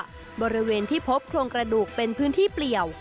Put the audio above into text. บริเวณที่พบโครงกระดูกเป็นพื้นที่เปลี่ยว